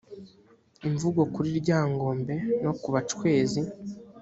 imvugo kuri ryangombe no ku bacwezi